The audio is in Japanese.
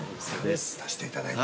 ◆出していただいて。